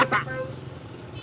dia tak akan mampu melawan orang bata